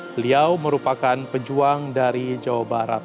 beliau merupakan pejuang dari jawa barat